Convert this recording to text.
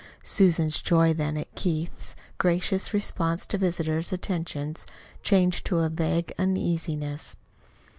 Susan's joy then at Keith's gracious response to visitors' attentions changed to a vague uneasiness.